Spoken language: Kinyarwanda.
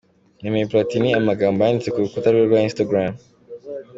Nemeye Platini amagambo yanditse ku rukuta rwe rwa Instagram.